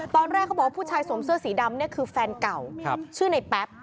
ตอนแรกเขาบอกว่าผู้ชายสวมเสื้อสีดำเนี่ยคือแฟนเก่าชื่อในแป๊บ